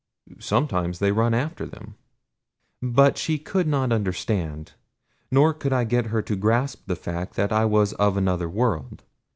"Sometimes they run after them." But she could not understand. Nor could I get her to grasp the fact that I was of another world.